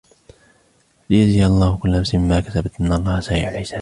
لِيَجْزِيَ اللَّهُ كُلَّ نَفْسٍ مَا كَسَبَتْ إِنَّ اللَّهَ سَرِيعُ الْحِسَابِ